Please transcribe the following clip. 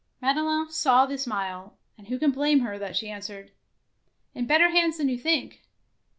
Madelon saw the smile, and who can blame her that she answered, — "In better hands than you think.